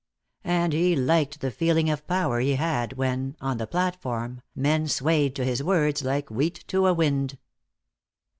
And he liked the feeling of power he had when, on the platform, men swayed to his words like wheat to a wind.